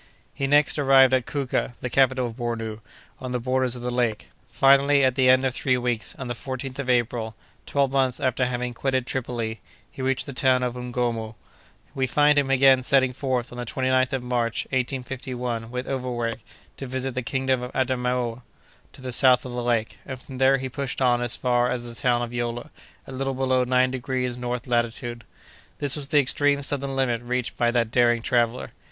He next arrived at Kouka, the capital of Bornou, on the borders of the lake. Finally, at the end of three weeks, on the 14th of April, twelve months after having quitted Tripoli, he reached the town of Ngornou. We find him again setting forth on the 29th of March, 1851, with Overweg, to visit the kingdom of Adamaoua, to the south of the lake, and from there he pushed on as far as the town of Yola, a little below nine degrees north latitude. This was the extreme southern limit reached by that daring traveller.